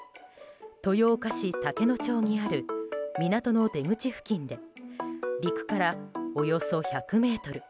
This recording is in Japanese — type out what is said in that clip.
豊岡市竹野町にある港の出口付近で陸から、およそ１００ｍ。